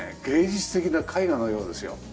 芸術的な絵画のようですよ。